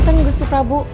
tenteng gusti prabu